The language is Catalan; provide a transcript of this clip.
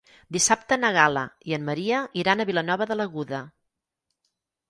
Dissabte na Gal·la i en Maria iran a Vilanova de l'Aguda.